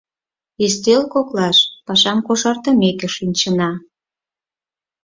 — Ӱстел коклаш пашам кошартымеке шинчына.